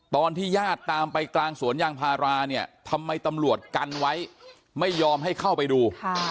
ตอนที่ญาติตามไปกลางสวนยางพาราเนี่ยทำไมตำรวจกันไว้ไม่ยอมให้เข้าไปดู